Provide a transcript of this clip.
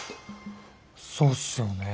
そうっすよね。